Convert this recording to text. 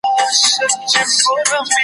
پړ هم زه سوم مړ هم زه سوم